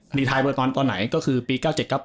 รีไทยเบอร์ตอนไหนก็คือปี๙๗๙๘